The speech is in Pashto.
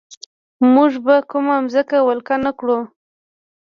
موږ به کومه ځمکه ولکه نه کړو.